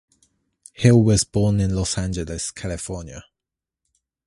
Hill was born in Los Angeles, California.